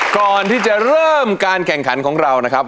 ก่อนที่จะเริ่มการแข่งขันของเรานะครับ